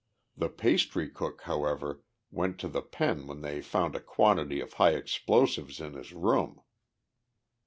The pastry cook, however, went to the pen when they found a quantity of high explosives in his room."